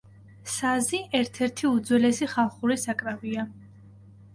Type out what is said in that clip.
საზი ერთ-ერთი უძველესი ხალხური საკრავია.